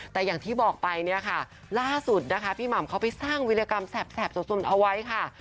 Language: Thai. แต่อย่างที่บอกไปเนี่ยค่ะล่าสุดนะคะพี่หม่ำเขาไปสร้างวิรากรรมแสบสุดเอาไว้ค่ะ